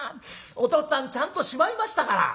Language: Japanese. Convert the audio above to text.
おとっつぁんちゃんとしまいましたから」。